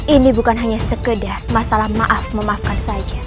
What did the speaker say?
ini bukan hanya sekedar masalah maaf memaafkan saja